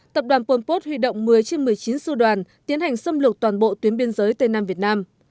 tập đoàn pol pot huy động một mươi trên một mươi chín sư đoàn tiến hành xâm lược toàn bộ tuyến biên giới tây nam việt nam